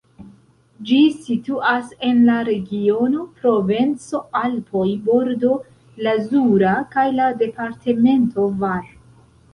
Ĝi situas en la regiono Provenco-Alpoj-Bordo Lazura kaj la departemento Var.